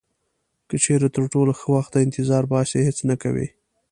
که چیرې تر ټولو ښه وخت ته انتظار باسئ هیڅ نه کوئ.